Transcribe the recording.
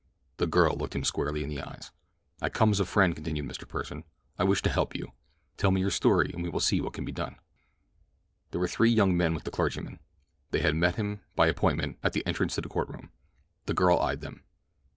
The girl looked him squarely in the eyes. "I come as a friend," continued Mr. Pursen. "I wish to help you. Tell me your story and we will see what can be done." There were three young men with the clergyman. They had met him, by appointment, at the entrance to the courtroom. The girl eyed them.